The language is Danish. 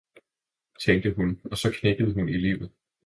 ' tænkte hun, og så knækkede hun i livet.